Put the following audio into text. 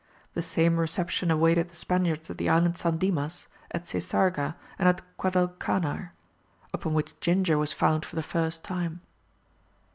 The same reception awaited the Spaniards at the Island San Dimas, at Sesarga, and at Guadalcanar, upon which ginger was found for the first time.